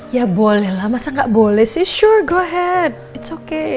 ya boleh lah masa gak boleh sih sure go ahead it's okay